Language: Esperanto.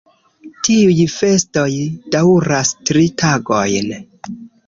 Tiuj festoj daŭras tri tagojn.